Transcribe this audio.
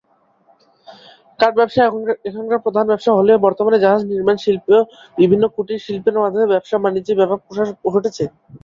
কাঠ ব্যবসা এখানকার প্রধান ব্যবসা হলেও বর্তমানে জাহাজ নির্মাণ শিল্প, বিভিন্ন কুটির শিল্পের মাধ্যমে ব্যবসা-বাণিজ্যে ব্যপক প্রসার ঘটেছে।